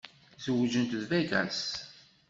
Zewǧent deg Vegas.